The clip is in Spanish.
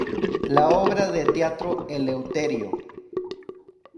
La obra de teatro "Eleuterio.